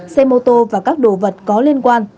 xe mô tô và các đồ vật có liên quan